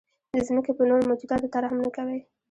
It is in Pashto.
د ځمکې په نورو موجوداتو ترحم نه کوئ.